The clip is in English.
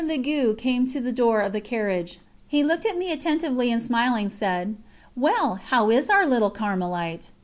Legoux came to the door of the carriage. He looked at me attentively and smiling said: "Well, and how is our little Carmelite?"